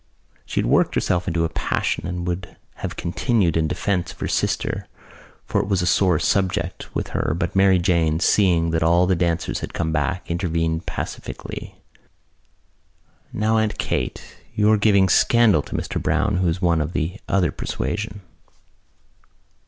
She had worked herself into a passion and would have continued in defence of her sister for it was a sore subject with her but Mary Jane, seeing that all the dancers had come back, intervened pacifically: "Now, Aunt Kate, you're giving scandal to Mr Browne who is of the other persuasion."